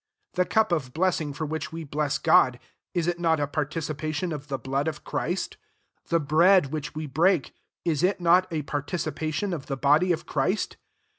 16 The cup of blessing for which we bless Gocf, is it not a partici pation of the blood of Christ ? The bread which we break, is it not a participation of the body of Christ?